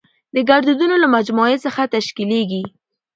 د ګړدودونو له مجموعه څخه تشکېليږي.